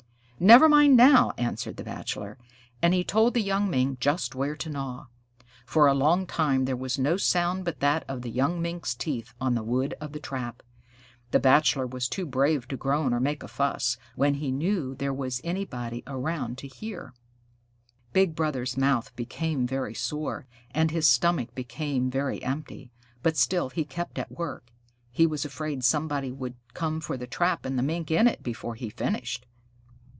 "Never mind now," answered the Bachelor, and he told the young Mink just where to gnaw. For a long time there was no sound but that of the young Mink's teeth on the wood of the trap. The Bachelor was too brave to groan or make a fuss, when he knew there was anybody around to hear. Big Brother's mouth became very sore, and his stomach became very empty, but still he kept at work. He was afraid somebody would come for the trap and the Mink in it, before he finished.